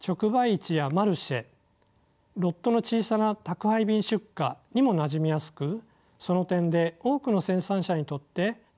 市やマルシェロットの小さな宅配便出荷にもなじみやすくその点で多くの生産者にとって取り組みやすいと言えます。